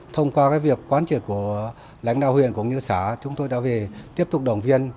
thông qua cái việc quan trị của lãnh đạo huyện cũng như xã chúng tôi đã về tiếp tục đồng viên